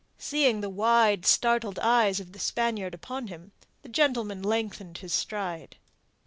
Seeing the wide, startled eyes of the Spaniard upon him, the gentleman lengthened his stride.